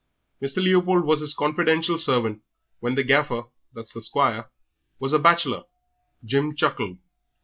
Mr. Leopold was his confidential servant when the Gaffer that's the squire was a bachelor." Jim chuckled.